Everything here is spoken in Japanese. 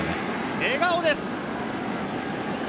笑顔です。